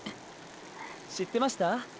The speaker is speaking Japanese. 知ってました？